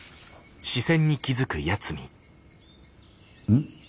ん？